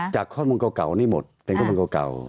จากข้อมูลเก่านี่หมดเป็นข้อมูลเก่า